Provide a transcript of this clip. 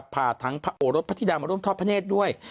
พาทั้งโหรสพฤติธรรมรวมทอบประเทศด้วย